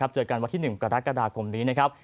เจอกันวันที่๑กรกฎาคมนี้นะครับ